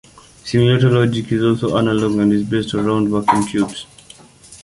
Simulator logic is all analog and is based around vacuum tubes.